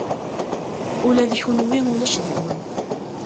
Ula d kunwi ulac deg-wen.